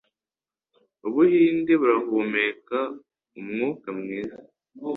Ubuhinde burahumeka umwuka mwiza